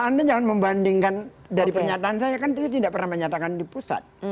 anda jangan membandingkan dari pernyataan saya kan dia tidak pernah menyatakan di pusat